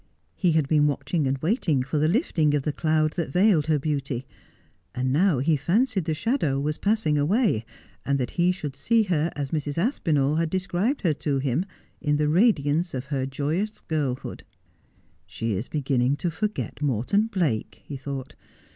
He had been watching and waiting for the lifting of the cloud that veiled her beauty ; and now he fancied the shadow was passing away, and that he should see her as Mrs. Aspinall had described her to him, in the radiance of her joyous girlhood. ' She is beginning to forget Morton Blake,' he thought.